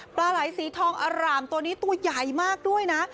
ปลาไหลสีทองอร่ามตัวนี้ตัวใหญ่มากด้วยนะ